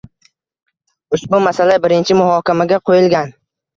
Ushbu masala birinchi muhokamaga qo‘yilgan.